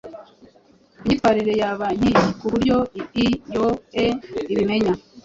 Imyitwarire yaba nkiyi, kuburyo ii yoe ibimenya